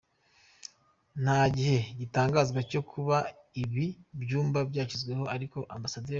Nta gihe gitangazwa cyo kuba ibi byumba byashyizweho, ariko Amb.